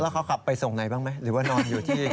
เขาขับไปส่งไหนบ้างไหมหรือว่านอนอยู่ที่